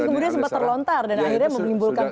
tapi kemudian sempat terlontar dan akhirnya memimbulkan polemik